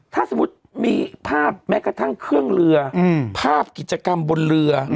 ถ้าสมมุติมีภาพแม้กระทั่งเครื่องเรือภาพกิจกรรมบนเรือ